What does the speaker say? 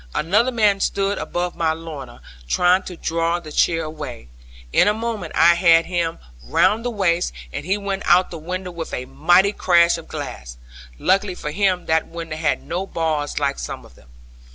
Another man stood above my Lorna, trying to draw the chair away. In a moment I had him round the waist, and he went out of the window with a mighty crash of glass; luckily for him that window had no bars like some of them.